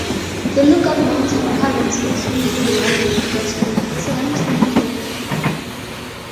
The Lookout Mountain Caverns, which includes Ruby Falls Cave, is a limestone cave.